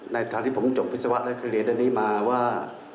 ในทางที่ผมจบวิศวะและเรียนที่ดินอันนี้มาว่า